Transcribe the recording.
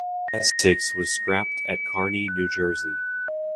"Essex" was scrapped at Kearny, New Jersey.